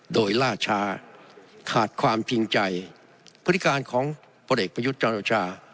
โดยล่าชาหาดความถึงใจพฤติการของประเด็กประยุทธ์จันทราชา